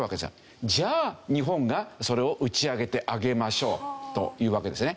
じゃあ日本がそれを打ち上げてあげましょうというわけですね。